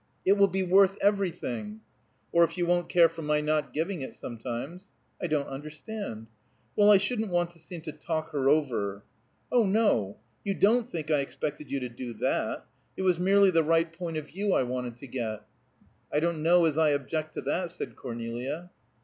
"It will be worth everything!" "Or if you won't care for my not giving it, sometimes." "I don't understand." "Well, I shouldn't want to seem to talk her over." "Oh, no! You don't think I expected you to do that? It was merely the right point of view I wanted to get." "I don't know as I object to that," said Cornelia.